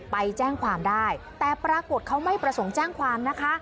ไปแจ้งความได้แต่ปรากฏเขาไม่ประสงค์แจ้งความนะคะ